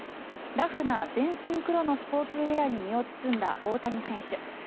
ラフな全身黒のスポーツウェアに身を包んだ大谷選手。